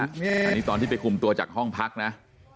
อันนี้ตอนที่ไปคุมตัวจากห้องพักนะ